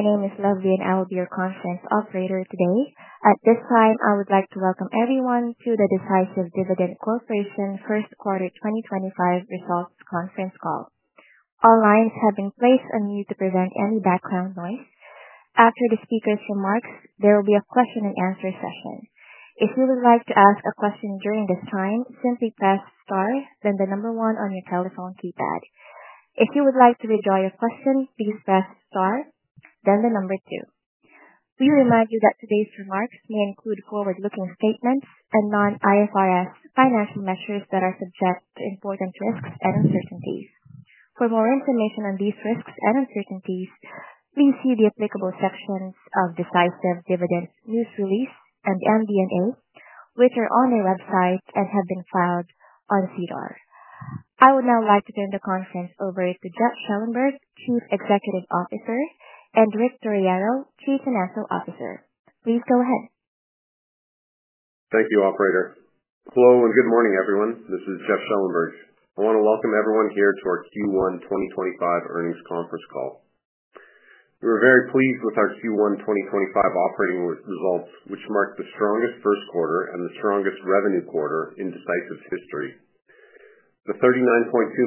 Good morning. My name is Levy and I will be your conference operator today. At this time, I would like to welcome everyone to the Decisive Dividend Corporation First Quarter 2025 Results Conference Call. All lines have been placed on mute to prevent any background noise. After the speaker's remarks, there will be a question-and-answer session. If you would like to ask a question during this time, simply press star, then the number one on your telephone keypad. If you would like to withdraw your question, please press star, then the number two. We remind you that today's remarks may include forward-looking statements and non-IFRS financial measures that are subject to important risks and uncertainties. For more information on these risks and uncertainties, please see the applicable sections of Decisive Dividend news release and MD&A, which are on their website and have been filed on SEDAR. I would now like to turn the conference over to Jeff Schellenberg, Chief Executive Officer, and Rick Torriero, Chief Financial Officer. Please go ahead. Thank you, Operator. Hello and good morning, everyone. This is Jeff Schellenberg. I want to welcome everyone here to our Q1 2025 earnings conference call. We're very pleased with our Q1 2025 operating results, which marked the strongest first quarter and the strongest revenue quarter in Decisive history. The 39.2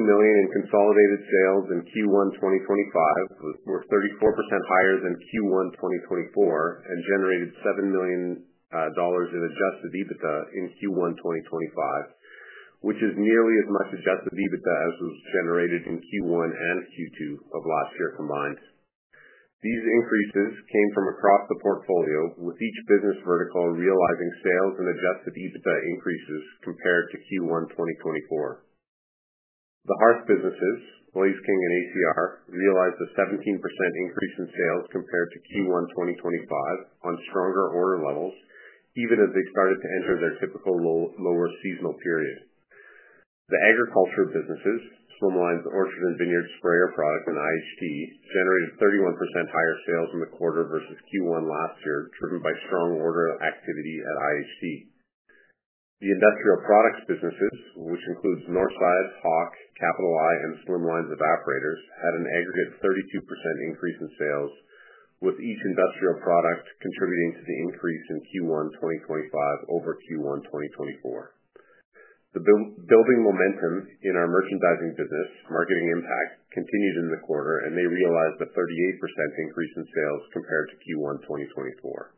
million in consolidated sales in Q1 2025 were 34% higher than Q1 2024 and generated 7 million dollars in adjusted EBITDA in Q1 2025, which is nearly as much adjusted EBITDA as was generated in Q1 and Q2 of last year combined. These increases came from across the portfolio, with each business vertical realizing sales and adjusted EBITDA increases compared to Q1 2024. The hearth businesses, Blaze King and ACR, realized a 17% increase in sales compared to Q1 2025 on stronger order levels, even as they started to enter their typical lower seasonal period. The agriculture businesses, Slimlines, Orchard and Vineyard Sprayer Product and IHT, generated 31% higher sales in the quarter versus Q1 last year, driven by strong order activity at IHT. The industrial products businesses, which includes Northside Hawk, Capital Eye, and Slimlines Evaporators, had an aggregate 32% increase in sales, with each industrial product contributing to the increase in Q1 2025 over Q1 2024. The building momentum in our merchandising business, Marketing Impact, continued in the quarter, and they realized a 38% increase in sales compared to Q1 2024.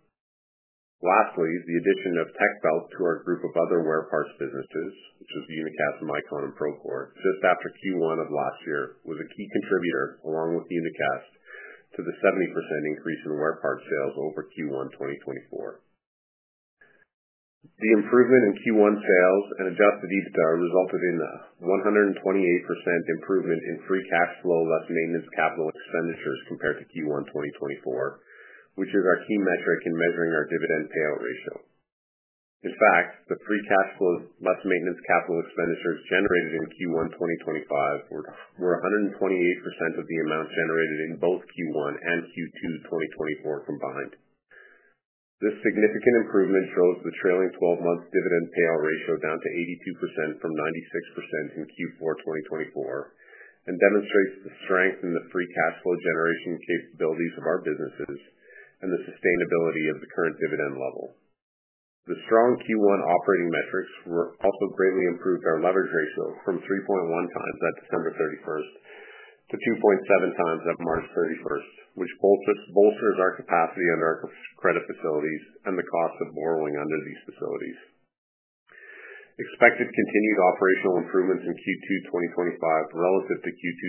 Lastly, the addition of Techbelt to our group of other wear parts businesses, which is Unicast, Micon, and Procore, just after Q1 of last year, was a key contributor, along with Unicast, to the 70% increase in wear parts sales over Q1 2024. The improvement in Q1 sales and adjusted EBITDA resulted in a 128% improvement in free cash flow, less maintenance capital expenditures compared to Q1 2024, which is our key metric in measuring our dividend payout ratio. In fact, the free cash flow, less maintenance capital expenditures generated in Q1 2025, were 128% of the amount generated in both Q1 and Q2 2024 combined. This significant improvement shows the trailing 12-month dividend payout ratio down to 82% from 96% in Q4 2024 and demonstrates the strength in the free cash flow generation capabilities of our businesses and the sustainability of the current dividend level. The strong Q1 operating metrics also greatly improved our leverage ratio from 3.1 times at December 31st to 2.7 times at March 31st, which bolsters our capacity under our credit facilities and the cost of borrowing under these facilities. Expected continued operational improvements in Q2 2025 relative to Q2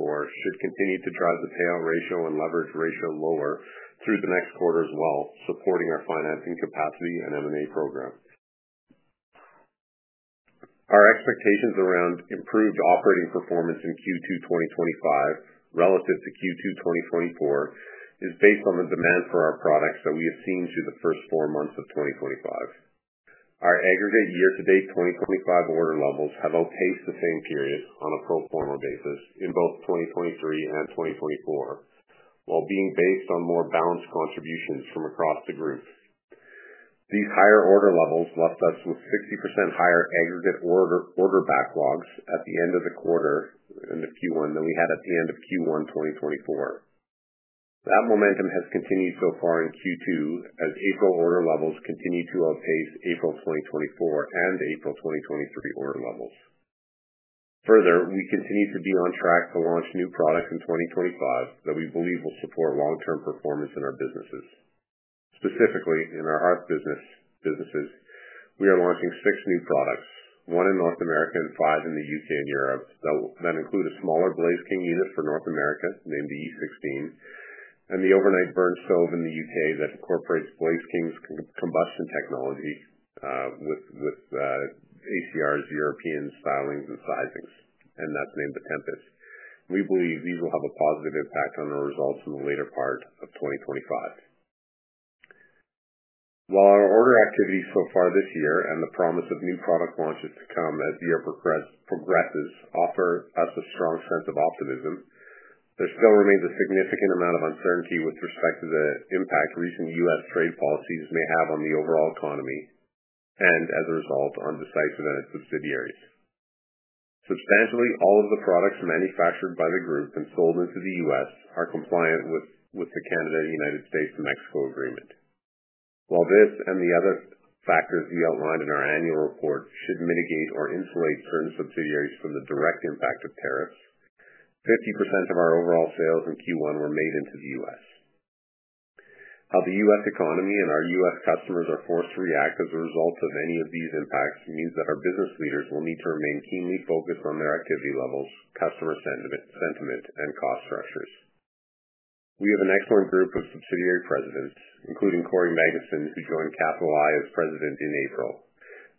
2024 should continue to drive the payout ratio and leverage ratio lower through the next quarter as well, supporting our financing capacity and M&A program. Our expectations around improved operating performance in Q2 2025 relative to Q2 2024 are based on the demand for our products that we have seen through the first four months of 2025. Our aggregate year-to-date 2025 order levels have outpaced the same period on a pro forma basis in both 2023 and 2024, while being based on more balanced contributions from across the group. These higher order levels left us with 60% higher aggregate order backlogs at the end of the quarter in Q1 than we had at the end of Q1 2024. That momentum has continued so far in Q2, as April order levels continue to outpace April 2024 and April 2023 order levels. Further, we continue to be on track to launch new products in 2025 that we believe will support long-term performance in our businesses. Specifically, in our hearth businesses, we are launching six new products, one in North America and five in the U.K. and Europe, that include a smaller Blaze King unit for North America named the E16 and the overnight burn stove in the U.K. that incorporates Blaze King's combustion technology with ACR's European stylings and sizings, and that's named the Tempus. We believe these will have a positive impact on our results in the later part of 2025. While our order activity so far this year and the promise of new product launches to come as the year progresses offer us a strong sense of optimism, there still remains a significant amount of uncertainty with respect to the impact recent U.S. trade policies may have on the overall economy and, as a result, on Decisive and its subsidiaries. Substantially, all of the products manufactured by the group and sold into the U.S. are compliant with the Canada-United States-Mexico Agreement. While this and the other factors we outlined in our annual report should mitigate or insulate certain subsidiaries from the direct impact of tariffs, 50% of our overall sales in Q1 were made into the U.S. How the U.S. economy and our U.S. customers are forced to react as a result of any of these impacts means that our business leaders will need to remain keenly focused on their activity levels, customer sentiment, and cost structures. We have an excellent group of subsidiary presidents, including Cory Maguson, who joined Capital Eye as President in April,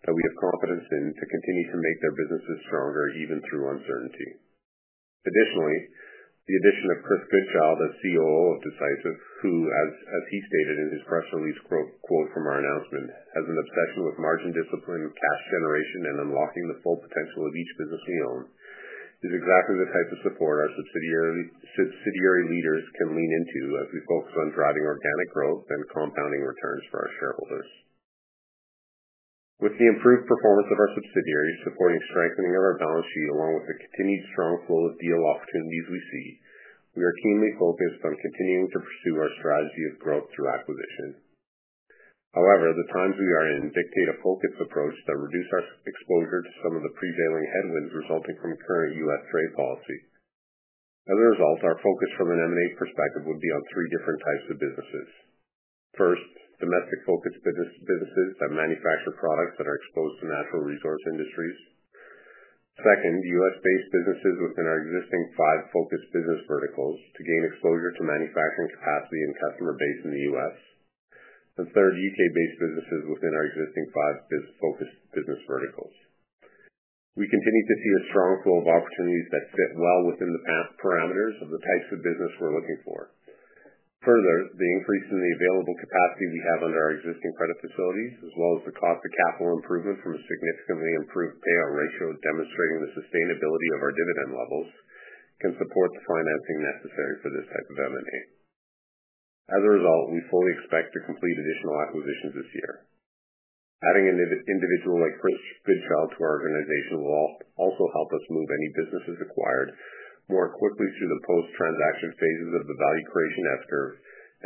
that we have confidence in to continue to make their businesses stronger even through uncertainty. Additionally, the addition of Chris Goodchild as COO of Decisive, who, as he stated in his press release quote from our announcement, has an obsession with margin discipline, cash generation, and unlocking the full potential of each business we own, is exactly the type of support our subsidiary leaders can lean into as we focus on driving organic growth and compounding returns for our shareholders. With the improved performance of our subsidiaries supporting strengthening of our balance sheet along with the continued strong flow of deal opportunities we see, we are keenly focused on continuing to pursue our strategy of growth through acquisition. However, the times we are in dictate a focused approach that reduces our exposure to some of the prevailing headwinds resulting from current U.S. trade policy. As a result, our focus from an M&A perspective would be on three different types of businesses. First, domestic-focused businesses that manufacture products that are exposed to natural resource industries. Second, U.S.-based businesses within our existing five focused business verticals to gain exposure to manufacturing capacity and customer base in the U.S. Third, U.K.-based businesses within our existing five focused business verticals. We continue to see a strong flow of opportunities that fit well within the parameters of the types of business we're looking for. Further, the increase in the available capacity we have under our existing credit facilities, as well as the cost of capital improvement from a significantly improved payout ratio demonstrating the sustainability of our dividend levels, can support the financing necessary for this type of M&A. As a result, we fully expect to complete additional acquisitions this year. Adding an individual like Chris Goodchild to our organization will also help us move any businesses acquired more quickly through the post-transaction phases of the value creation S-curve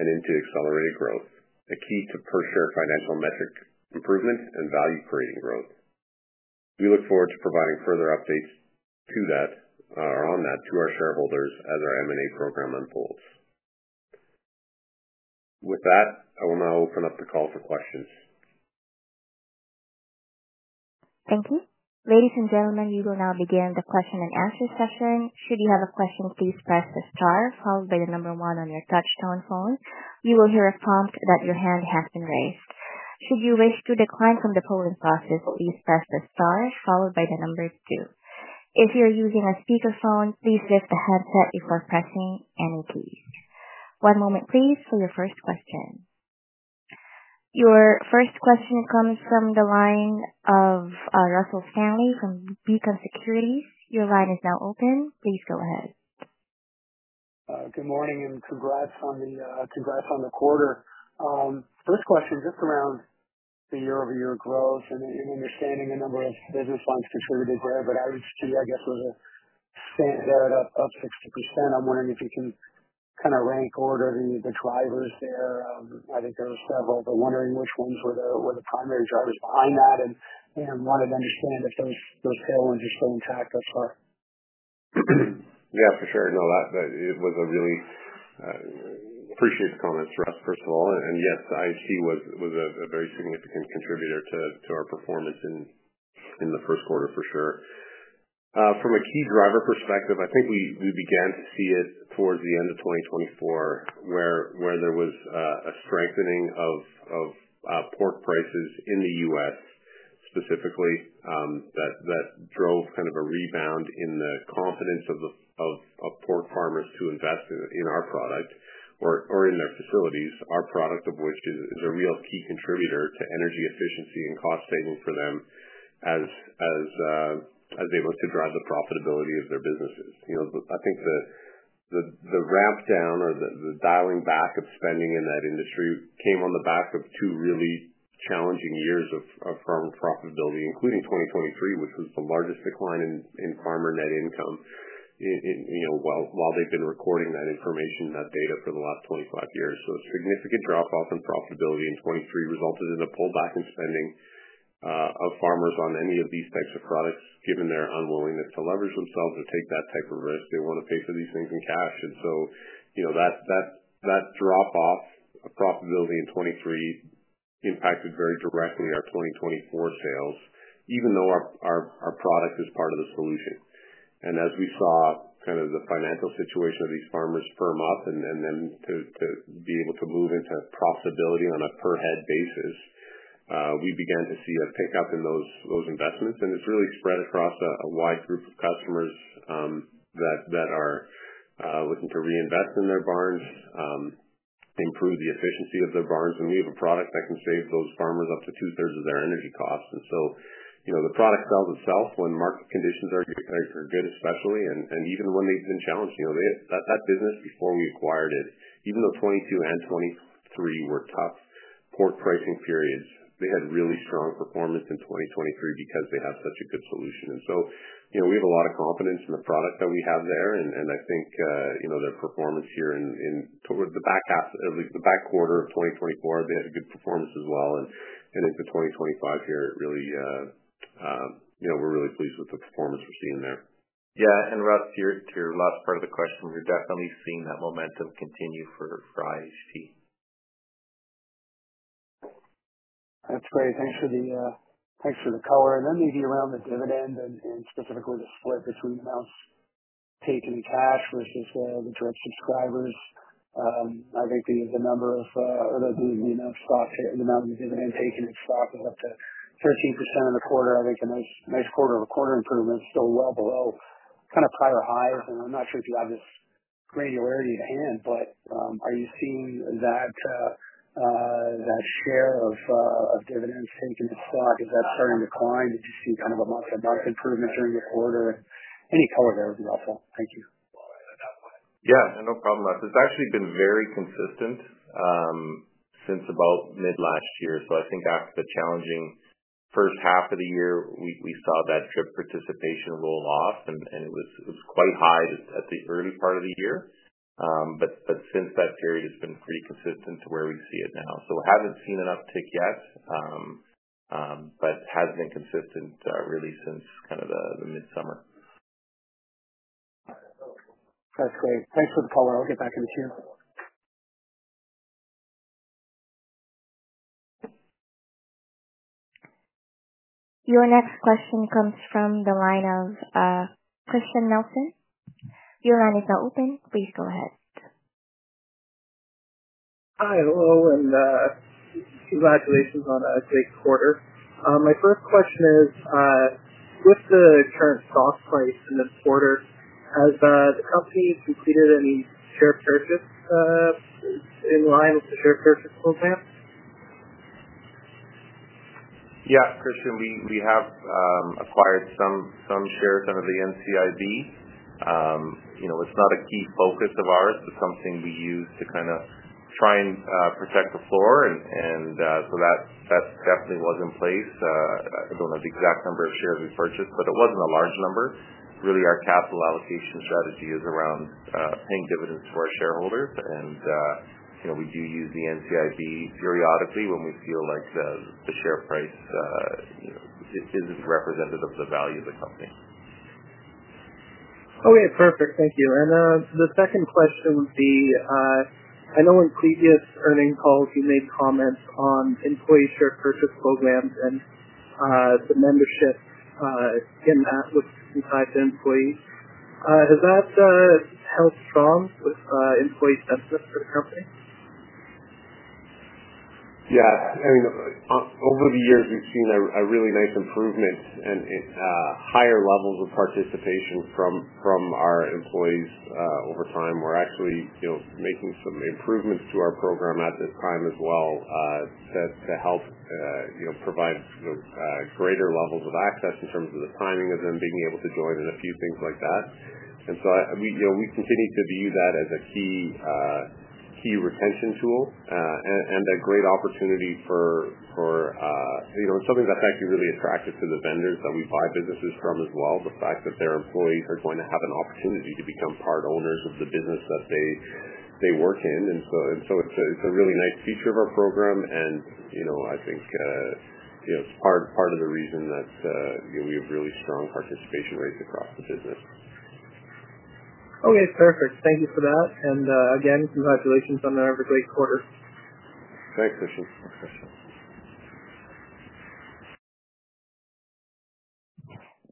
and into accelerated growth, a key to per-share financial metric improvement and value-creating growth. We look forward to providing further updates to that or on that to our shareholders as our M&A program unfolds. With that, I will now open up the call for questions. Thank you. Ladies and gentlemen, we will now begin the question-and-answer session. Should you have a question, please press the star, followed by the number one on your touch-tone phone. You will hear a prompt that your hand has been raised. Should you wish to decline from the polling process, please press the star, followed by the number two. If you're using a speakerphone, please lift the headset before pressing any keys. One moment, please, for your first question. Your first question comes from the line of Russell Stanley from Beacon Securities. Your line is now open. Please go ahead. Good morning and congrats on the quarter. First question, just around the year-over-year growth and understanding the number of business lines contributed there, but IHT, I guess, was a standout up 60%. I'm wondering if you can kind of rank order the drivers there. I think there were several. I'm wondering which ones were the primary drivers behind that and wanted to understand if those tailwinds are still intact thus far. Yeah, for sure. No, it was a really appreciated comments, Russ, first of all. Yes, IHT was a very significant contributor to our performance in the first quarter, for sure. From a key driver perspective, I think we began to see it towards the end of 2024 where there was a strengthening of pork prices in the US, specifically, that drove kind of a rebound in the confidence of pork farmers to invest in our product or in their facilities, our product, of which is a real key contributor to energy efficiency and cost saving for them as they look to drive the profitability of their businesses. I think the ramp-down or the dialing back of spending in that industry came on the back of two really challenging years of farm profitability, including 2023, which was the largest decline in farmer net income while they've been recording that information, that data for the last 25 years. A significant drop-off in profitability in 2023 resulted in a pullback in spending of farmers on any of these types of products, given their unwillingness to leverage themselves or take that type of risk. They want to pay for these things in cash. That drop-off of profitability in 2023 impacted very directly our 2024 sales, even though our product is part of the solution. As we saw kind of the financial situation of these farmers firm up and then to be able to move into profitability on a per-head basis, we began to see a pickup in those investments. It is really spread across a wide group of customers that are looking to reinvest in their barns, improve the efficiency of their barns. We have a product that can save those farmers up to two-thirds of their energy costs. The product sells itself when market conditions are good, especially. Even when they have been challenged, that business, before we acquired it, even though 2022 and 2023 were tough pork pricing periods, they had really strong performance in 2023 because they have such a good solution. We have a lot of confidence in the product that we have there. I think their performance here in the back half, the back quarter of 2024, they had a good performance as well. Into 2025 here, we're really pleased with the performance we're seeing there. Yeah. Russ, to your last part of the question, we're definitely seeing that momentum continue for IHT. That's great. Thanks for the color. Maybe around the dividend and specifically the split between amounts taken in cash versus the direct subscribers. I think the number of the amount of dividend taken in stock was up to 13% in the quarter. I think a nice quarter-over-quarter improvement, still well below kind of prior highs. I'm not sure if you have this granularity at hand, but are you seeing that share of dividends taken in stock? Is that starting to decline? Did you see kind of a month-to-month improvement during the quarter? Any color there would be helpful. Thank you. Yeah. No problem. It's actually been very consistent since about mid-last year. I think after the challenging first half of the year, we saw that trip participation roll off. It was quite high at the early part of the year. Since that period, it's been pretty consistent to where we see it now. We haven't seen an uptick yet, but it has been consistent really since kind of the mid-summer. That's great. Thanks for the color. I'll get back to you. Your next question comes from the line of Christian Nelson. Your line is now open. Please go ahead. Hi. Hello. Congratulations on a great quarter. My first question is, with the current stock price in this quarter, has the company completed any share purchase in line with the share purchase program? Yeah. Christian, we have acquired some shares under the NCIB. It's not a key focus of ours, but something we use to kind of try and protect the floor. That definitely was in place. I don't have the exact number of shares we purchased, but it wasn't a large number. Really, our capital allocation strategy is around paying dividends to our shareholders. We do use the NCIB periodically when we feel like the share price isn't representative of the value of the company. Okay. Perfect. Thank you. The second question would be, I know in previous earning calls, you made comments on employee share purchase programs and the membership in that with inside the employee. Has that held strong with employee sentiment for the company? Yeah. I mean, over the years, we've seen a really nice improvement and higher levels of participation from our employees over time. We're actually making some improvements to our program at this time as well to help provide greater levels of access in terms of the timing of them being able to join and a few things like that. We continue to view that as a key retention tool and a great opportunity for it's something that's actually really attractive to the vendors that we buy businesses from as well, the fact that their employees are going to have an opportunity to become part owners of the business that they work in. It's a really nice feature of our program. I think it's part of the reason that we have really strong participation rates across the business. Okay. Perfect. Thank you for that. Again, congratulations on another great quarter. Thanks, Christian.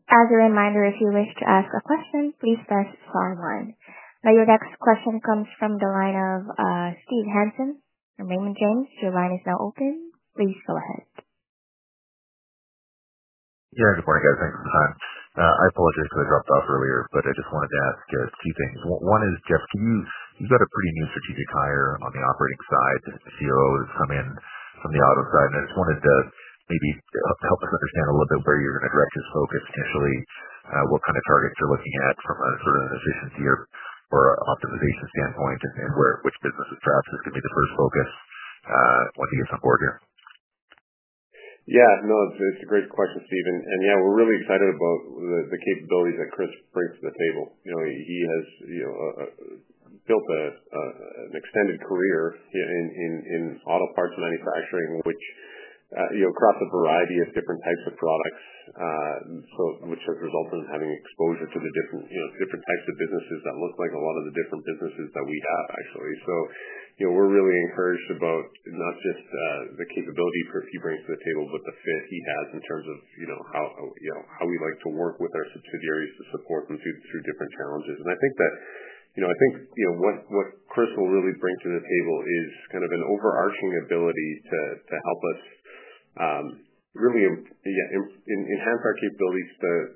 As a reminder, if you wish to ask a question, please press star one. Now, your next question comes from the line of Steve Hansen from Raymond James. Your line is now open. Please go ahead. Yeah. Good morning, guys. Thanks for the time. I apologize because I dropped off earlier, but I just wanted to ask two things. One is, Jeff, you've got a pretty new strategic hire on the operating side, COO, who's come in from the auto side. I just wanted to maybe help us understand a little bit where you're going to direct his focus initially, what kind of targets you're looking at from a sort of efficiency or optimization standpoint, and which businesses perhaps this could be the first focus when he gets on board here. Yeah. No, it's a great question, Steven. Yeah, we're really excited about the capabilities that Chris brings to the table. He has built an extended career in auto parts manufacturing, which crosses a variety of different types of products, which has resulted in having exposure to the different types of businesses that look like a lot of the different businesses that we have, actually. We're really encouraged about not just the capability he brings to the table, but the fit he has in terms of how we like to work with our subsidiaries to support them through different challenges. I think what Chris will really bring to the table is kind of an overarching ability to help us really enhance our capabilities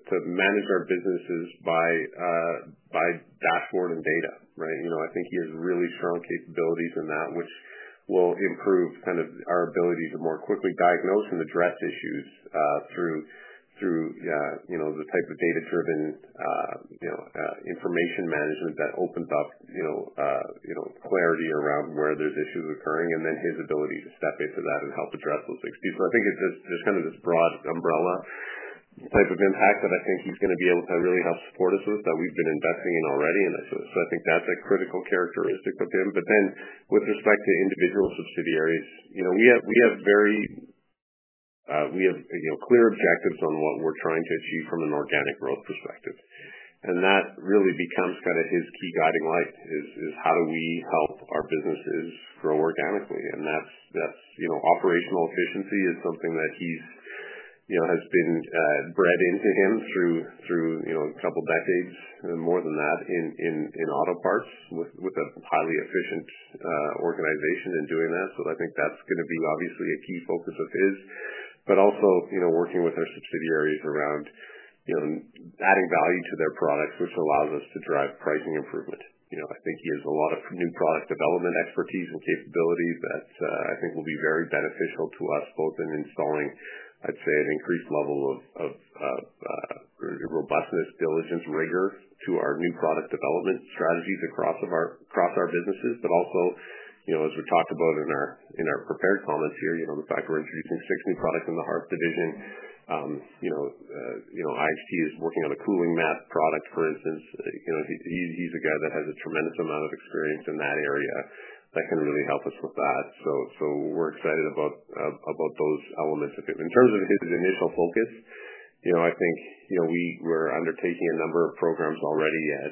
to manage our businesses by dashboard and data, right? I think he has really strong capabilities in that, which will improve kind of our ability to more quickly diagnose and address issues through the type of data-driven information management that opens up clarity around where there's issues occurring, and then his ability to step into that and help address those issues. I think it's just kind of this broad umbrella type of impact that I think he's going to be able to really help support us with that we've been investing in already. I think that's a critical characteristic of him. With respect to individual subsidiaries, we have very clear objectives on what we're trying to achieve from an organic growth perspective. That really becomes kind of his key guiding light is how do we help our businesses grow organically? Operational efficiency is something that has been bred into him through a couple of decades and more than that in auto parts with a highly efficient organization and doing that. I think that's going to be obviously a key focus of his, but also working with our subsidiaries around adding value to their products, which allows us to drive pricing improvement. I think he has a lot of new product development expertise and capability that I think will be very beneficial to us both in installing, I'd say, an increased level of robustness, diligence, rigor to our new product development strategies across our businesses. Also, as we talked about in our prepared comments here, the fact we're introducing six new products in the HARP division, IHT is working on a cooling mat product, for instance. He's a guy that has a tremendous amount of experience in that area that can really help us with that. We're excited about those elements. In terms of his initial focus, I think we're undertaking a number of programs already at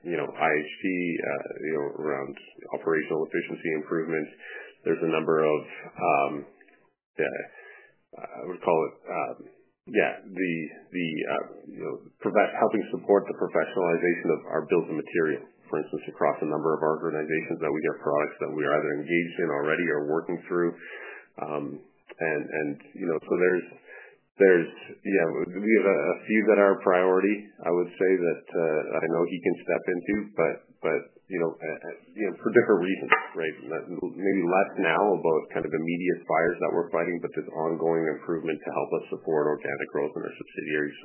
IHT around operational efficiency improvements. There's a number of, I would call it, yeah, helping support the professionalization of our built-in material, for instance, across a number of organizations that we have products that we are either engaged in already or working through. We have a few that are a priority, I would say, that I know he can step into, but for different reasons, right? Maybe less now about kind of immediate fires that we're fighting, but just ongoing improvement to help us support organic growth in our subsidiaries.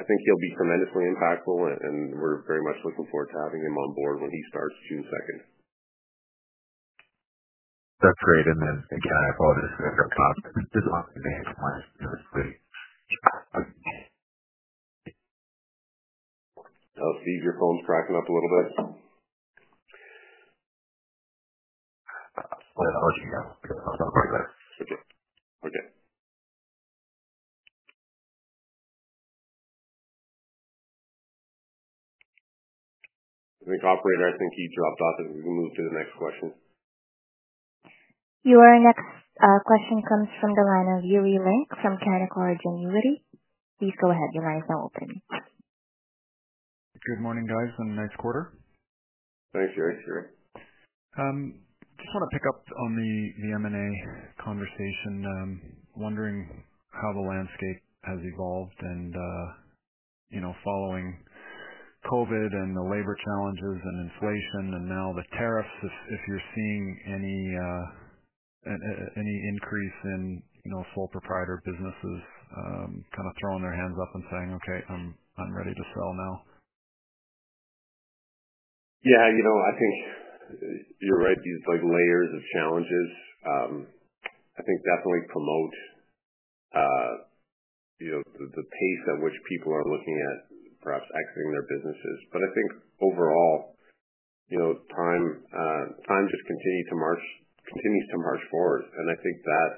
I think he'll be tremendously impactful, and we're very much looking forward to having him on board when he starts June 2nd. That's great. Again, I apologize for the cut off. Oh, Steve, your phone's cracking up a little bit. I apologize. I'm sorry. Okay. I think operator, I think he dropped off. We can move to the next question. Your next question comes from the line of Yuri Lynk from Canaccord Genuity. Please go ahead. Your line is now open. Good morning, guys. Nice quarter. Thanks, guys. Just want to pick up on the M&A conversation. Wondering how the landscape has evolved and following COVID and the labor challenges and inflation and now the tariffs, if you're seeing any increase in sole proprietor businesses kind of throwing their hands up and saying, "Okay, I'm ready to sell now. Yeah. I think you're right. These layers of challenges, I think, definitely promote the pace at which people are looking at perhaps exiting their businesses. I think overall, time just continues to march forward. I think that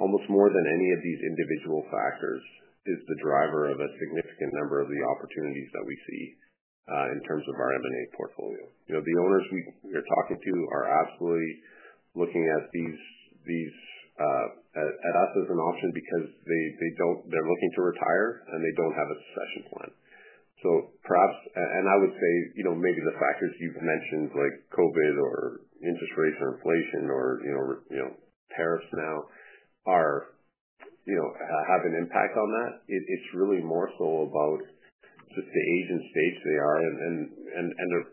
almost more than any of these individual factors is the driver of a significant number of the opportunities that we see in terms of our M&A portfolio. The owners we are talking to are absolutely looking at us as an option because they're looking to retire and they don't have a succession plan. I would say maybe the factors you've mentioned, like COVID or interest rates or inflation or tariffs now, have an impact on that. It's really more so about just the age and stage they are.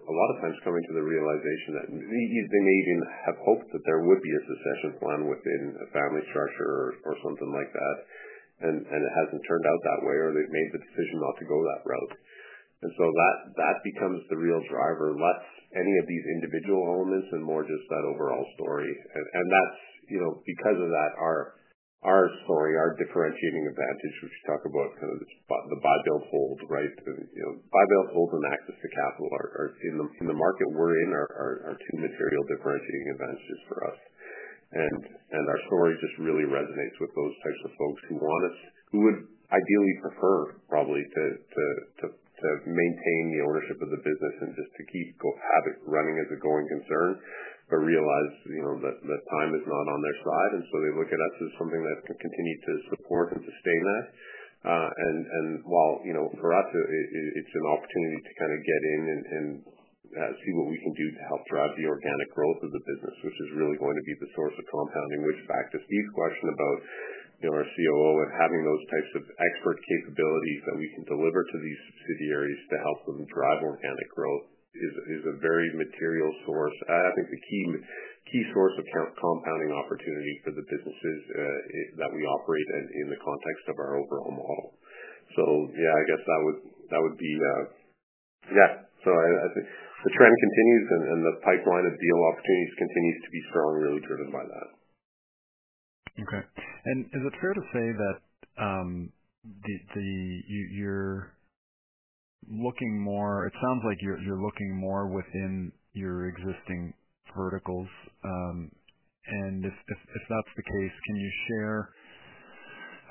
A lot of times coming to the realization that they may even have hoped that there would be a succession plan within a family structure or something like that, and it has not turned out that way, or they have made the decision not to go that route. That becomes the real driver, less any of these individual elements and more just that overall story. That is because of that, our story, our differentiating advantage, which we talk about, kind of the buy-build-hold, right? Buy-build-hold and access to capital are, in the market we are in, our two material differentiating advantages for us. Our story just really resonates with those types of folks who want us, who would ideally prefer probably to maintain the ownership of the business and just to keep having it running as a going concern, but realize that time is not on their side. They look at us as something that can continue to support and sustain that. For us, it's an opportunity to kind of get in and see what we can do to help drive the organic growth of the business, which is really going to be the source of compounding, which, back to Steve's question about our COO and having those types of expert capabilities that we can deliver to these subsidiaries to help them drive organic growth, is a very material source. I think the key source of compounding opportunity for the businesses that we operate in the context of our overall model. Yeah, I guess that would be, yeah. I think the trend continues and the pipeline of deal opportunities continues to be strongly driven by that. Okay. Is it fair to say that you're looking more, it sounds like you're looking more within your existing verticals? If that's the case, can you share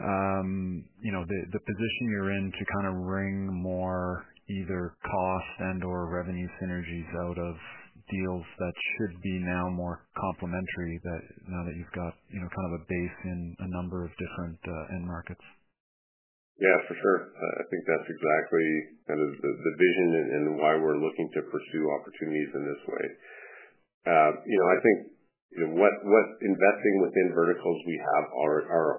the position you're in to kind of wring more either cost and/or revenue synergies out of deals that should be now more complementary now that you've got kind of a base in a number of different end markets? Yeah, for sure. I think that's exactly kind of the vision and why we're looking to pursue opportunities in this way. I think what investing within verticals we have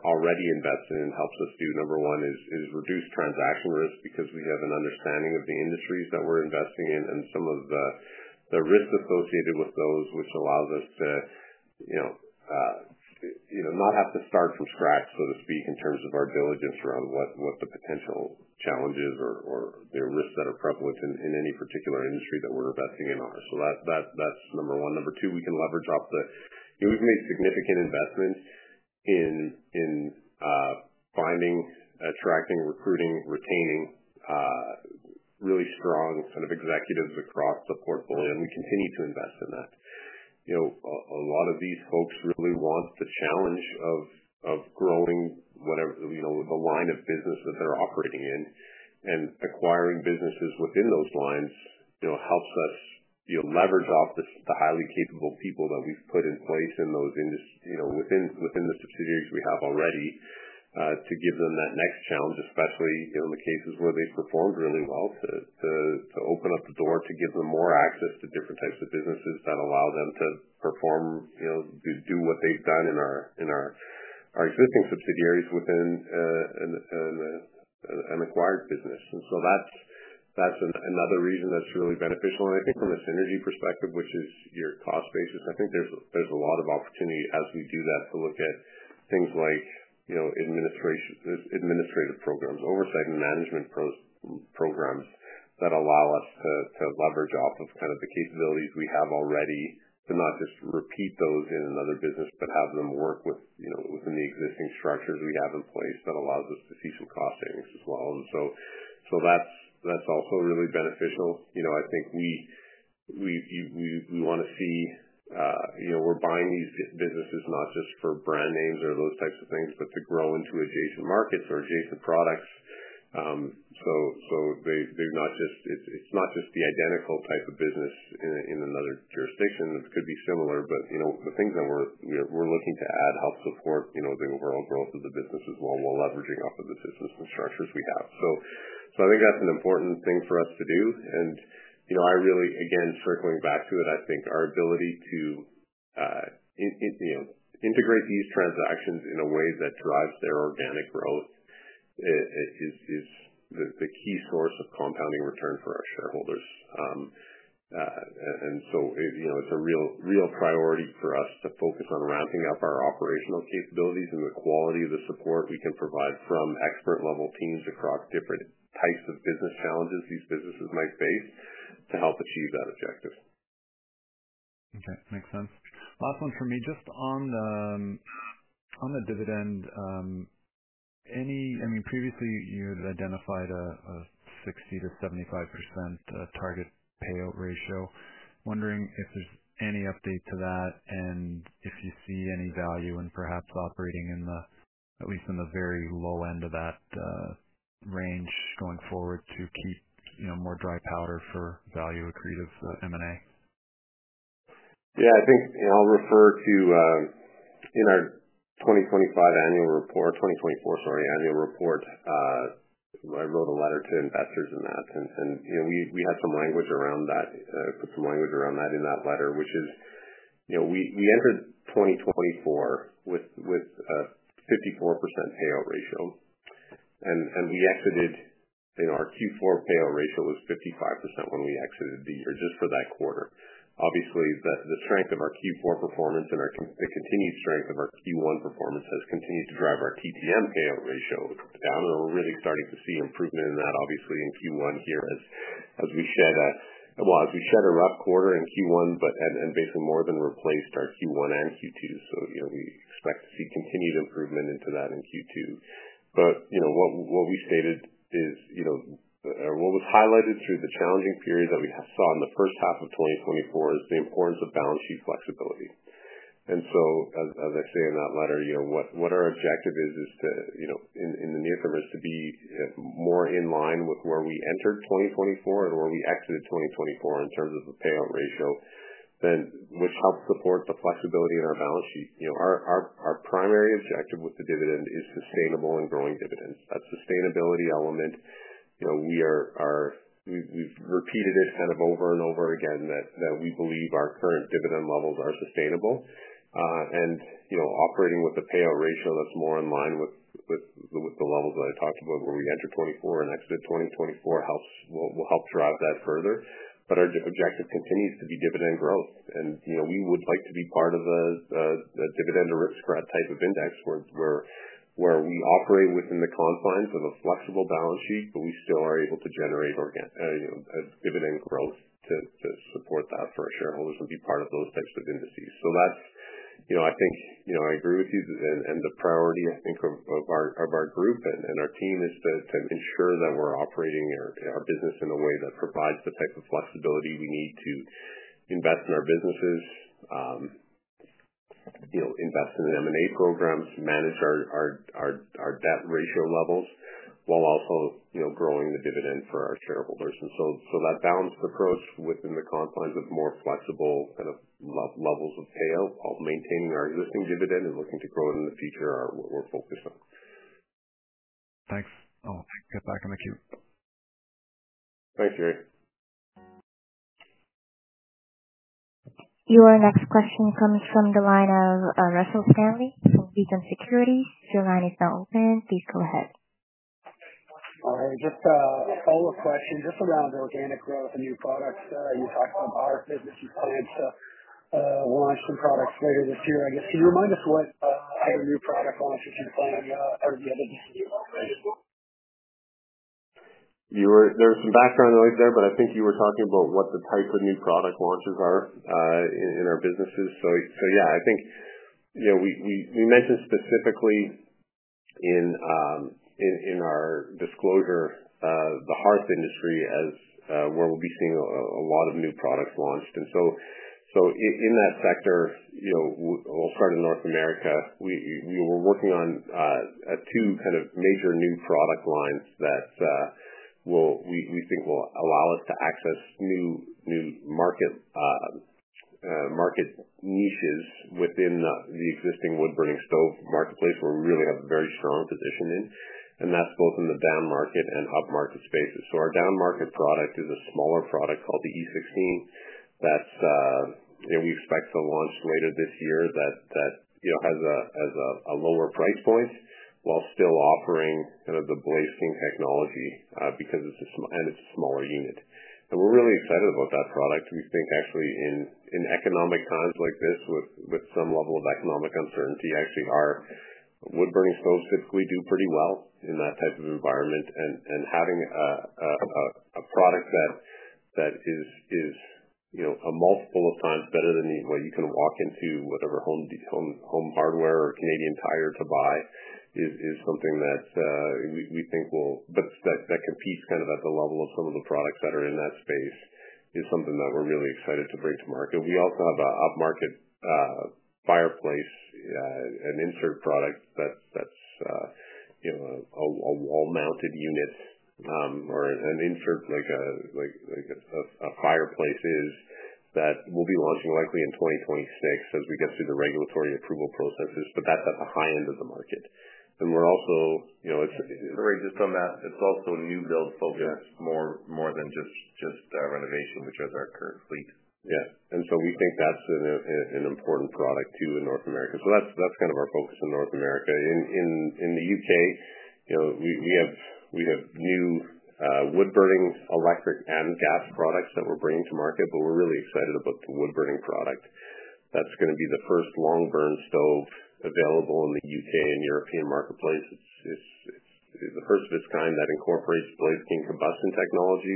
already invested in helps us do, number one, is reduce transaction risk because we have an understanding of the industries that we're investing in and some of the risks associated with those, which allows us to not have to start from scratch, so to speak, in terms of our diligence around what the potential challenges or risks that are prevalent in any particular industry that we're investing in are. That's number one. Number two, we can leverage off the fact we've made significant investments in finding, attracting, recruiting, retaining really strong kind of executives across the portfolio, and we continue to invest in that. A lot of these folks really want the challenge of growing the line of business that they're operating in, and acquiring businesses within those lines helps us leverage off the highly capable people that we've put in place within the subsidiaries we have already to give them that next challenge, especially in the cases where they've performed really well, to open up the door to give them more access to different types of businesses that allow them to perform, do what they've done in our existing subsidiaries within an acquired business. That is another reason that's really beneficial. I think from a synergy perspective, which is your cost basis, I think there's a lot of opportunity as we do that to look at things like administrative programs, oversight and management programs that allow us to leverage off of kind of the capabilities we have already, but not just repeat those in another business, but have them work within the existing structures we have in place that allows us to see some cost savings as well. That is also really beneficial. I think we want to see we're buying these businesses not just for brand names or those types of things, but to grow into adjacent markets or adjacent products. It is not just the identical type of business in another jurisdiction. It could be similar, but the things that we're looking to add help support the overall growth of the business as well while leveraging off of the systems and structures we have. I think that's an important thing for us to do. I really, again, circling back to it, I think our ability to integrate these transactions in a way that drives their organic growth is the key source of compounding return for our shareholders. It is a real priority for us to focus on ramping up our operational capabilities and the quality of the support we can provide from expert-level teams across different types of business challenges these businesses might face to help achieve that objective. Okay. Makes sense. Last one from me. Just on the dividend, I mean, previously you had identified a 60-75% target payout ratio. Wondering if there's any update to that and if you see any value in perhaps operating in at least in the very low end of that range going forward to keep more dry powder for value accretive M&A. Yeah. I think I'll refer to in our 2025 annual report, 2024, sorry, annual report, I wrote a letter to investors in that. And we had some language around that, put some language around that in that letter, which is we entered 2024 with a 54% payout ratio, and we exited our Q4 payout ratio was 55% when we exited the year just for that quarter. Obviously, the strength of our Q4 performance and the continued strength of our Q1 performance has continued to drive our TTM payout ratio down, and we're really starting to see improvement in that, obviously, in Q1 here as we shed a, well, as we shed a rough quarter in Q1 and basically more than replaced our Q1 and Q2. So we expect to see continued improvement into that in Q2. What we stated is, or what was highlighted through the challenging period that we saw in the first half of 2024, is the importance of balance sheet flexibility. As I say in that letter, what our objective is in the near term is to be more in line with where we entered 2024 and where we exited 2024 in terms of the payout ratio, which helps support the flexibility in our balance sheet. Our primary objective with the dividend is sustainable and growing dividends. That sustainability element, we've repeated it kind of over and over again, that we believe our current dividend levels are sustainable. Operating with a payout ratio that's more in line with the levels that I talked about, where we entered 2024 and exited 2024, will help drive that further. Our objective continues to be dividend growth. We would like to be part of a dividend or risk spread type of index where we operate within the confines of a flexible balance sheet, but we still are able to generate dividend growth to support that for our shareholders and be part of those types of indices. I think I agree with you. The priority, I think, of our group and our team is to ensure that we're operating our business in a way that provides the type of flexibility we need to invest in our businesses, invest in M&A programs, manage our debt ratio levels while also growing the dividend for our shareholders. That balanced approach within the confines of more flexible kind of levels of payout while maintaining our existing dividend and looking to grow it in the future are what we're focused on. Thanks. I'll get back in the queue. Thanks, Gary. Your next question comes from the line of Russell Stanley from Beacon Securities. Your line is now open. Please go ahead. All right. Just a follow-up question. Just around organic growth and new products, you talked about our business. You plan to launch some products later this year. I guess, can you remind us what other new product launches you plan out of the other? There was some background noise there, but I think you were talking about what the type of new product launches are in our businesses. Yeah, I think we mentioned specifically in our disclosure the hearth industry as where we'll be seeing a lot of new products launched. In that sector, we'll start in North America. We were working on two kind of major new product lines that we think will allow us to access new market niches within the existing wood-burning stove marketplace where we really have a very strong position in. That's both in the down market and up market spaces. Our down market product is a smaller product called the E16 that we expect to launch later this year that has a lower price point while still offering kind of the Blaze King technology because it's a smaller unit. We're really excited about that product. We think actually in economic times like this with some level of economic uncertainty, actually our wood-burning stoves typically do pretty well in that type of environment. Having a product that is a multiple of times better than what you can walk into whatever Home Hardware or Canadian Tire to buy is something that we think will that competes kind of at the level of some of the products that are in that space. It is something that we're really excited to bring to market. We also have an up market fireplace, an insert product that's a wall-mounted unit or an insert like a fireplace is that we'll be launching likely in 2026 as we get through the regulatory approval processes. That's at the high end of the market. We're also just on that, it's also new build focused more than just renovation, which has our current fleet. Yeah. We think that's an important product too in North America. That's kind of our focus in North America. In the U.K., we have new wood-burning electric and gas products that we're bringing to market, but we're really excited about the wood-burning product. That's going to be the first long burn stove available in the U.K. and European marketplace. It's the first of its kind that incorporates blazing combustion technology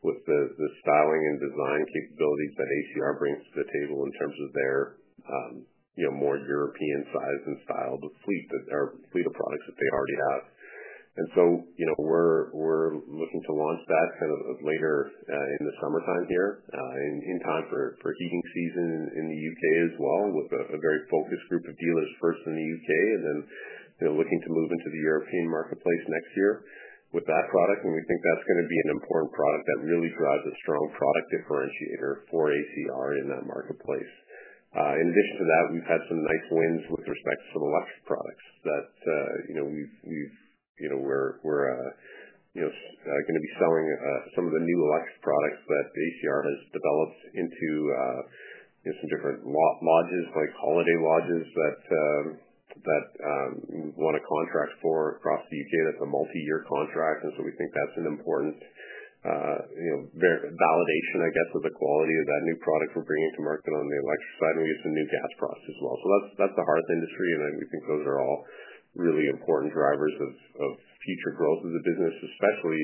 with the styling and design capabilities that ACR brings to the table in terms of their more European size and style of fleet of products that they already have. We are looking to launch that kind of later in the summertime here in time for heating season in the U.K. as well with a very focused group of dealers first in the U.K. and then looking to move into the European marketplace next year with that product. We think that is going to be an important product that really drives a strong product differentiator for ACR in that marketplace. In addition to that, we have had some nice wins with respect to some electric products that we are going to be selling, some of the new electric products that ACR has developed into some different lodges like holiday lodges that we want to contract for across the U.K. That is a multi-year contract. We think that is an important validation, I guess, of the quality of that new product we are bringing to market on the electric side. We get some new gas products as well. That is the hearth industry, and we think those are all really important drivers of future growth of the business, especially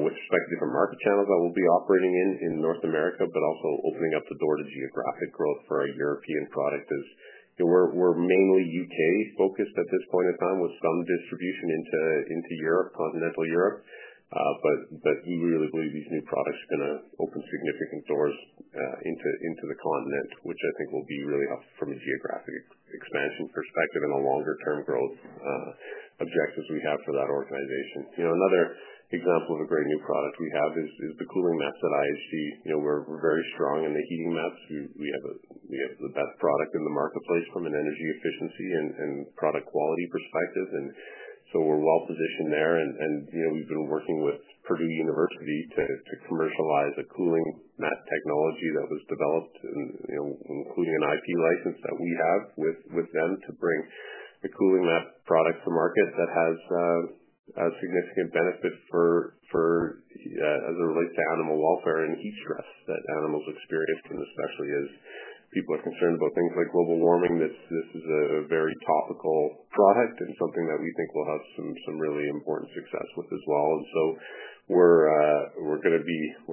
with respect to different market channels that we will be operating in in North America, but also opening up the door to geographic growth for our European product. We are mainly U.K.-focused at this point in time with some distribution into Europe, continental Europe. We really believe these new products are going to open significant doors into the continent, which I think will be really helpful from a geographic expansion perspective and the longer-term growth objectives we have for that organization. Another example of a great new product we have is the cooling mats at IHT. We are very strong in the heating mats. We have the best product in the marketplace from an energy efficiency and product quality perspective. We're well positioned there. We've been working with Purdue University to commercialize a cooling mat technology that was developed, including an IP license that we have with them to bring a cooling mat product to market that has a significant benefit as it relates to animal welfare and heat stress that animals experience. Especially as people are concerned about things like global warming, this is a very topical product and something that we think will have some really important success with as well. We're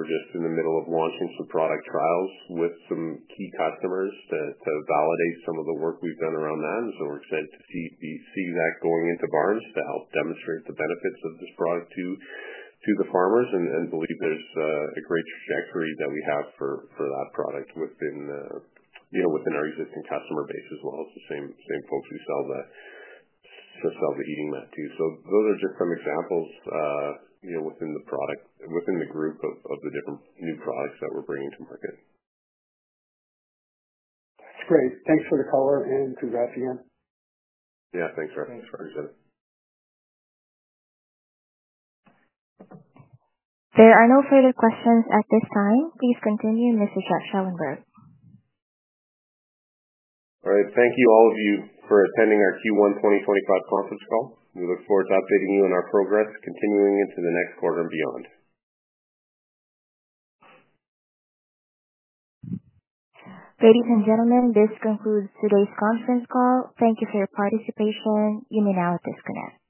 just in the middle of launching some product trials with some key customers to validate some of the work we've done around that. We're excited to see that going into barns to help demonstrate the benefits of this product to the farmers and believe there's a great trajectory that we have for that product within our existing customer base as well as the same folks who sell the heating mat too. Those are just some examples within the group of the different new products that we're bringing to market. That's great. Thanks for the color, and congrats again. Yeah. Thanks, Rick. Thanks for having us. There are no further questions at this time. Please continue, Mr. Schellenberg. All right. Thank you, all of you, for attending our Q1 2025 conference call. We look forward to updating you on our progress continuing into the next quarter and beyond. Ladies and gentlemen, this concludes today's conference call. Thank you for your participation. You may now disconnect.